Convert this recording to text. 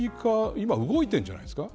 今、動いてるんじゃないですか。